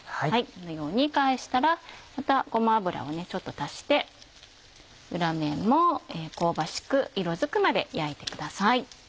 このように返したらまたごま油をちょっと足して裏面も香ばしく色づくまで焼いてください。